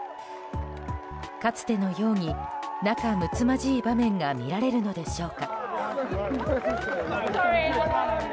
かつてのように仲むつまじい場面が見られるのでしょうか。